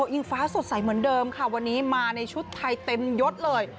อิงฟ้าสดใสเหมือนเดิมค่ะวันนี้มาในชุดไทยเต็มยดเลย